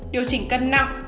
điều chỉnh cân nặng